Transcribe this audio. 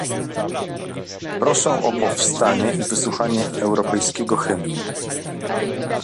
Proszę o powstanie i wysłuchanie europejskiego hymnu